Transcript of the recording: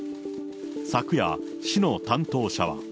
昨夜、市の担当者は。